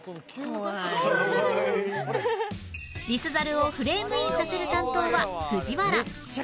リスザルをフレームインさせる担当は藤原